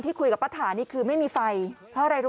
ป้ายอยู่ตรงนี้มากี่ปีแล้ว